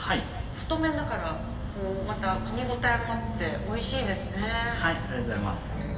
太麺だからかみ応えもあっておいしいですね。